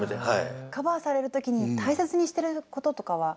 カバーされる時に大切にしてることとかは？